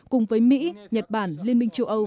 cùng với mỹ nhật bản liên minh châu âu